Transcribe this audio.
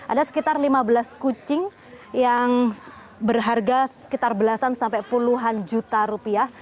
ada sekitar lima belas kucing yang berharga sekitar belasan sampai puluhan juta rupiah